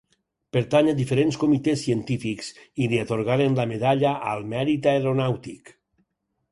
Pertany a diferents comitès científics i li atorgaren la Medalla al Mèrit Aeronàutic.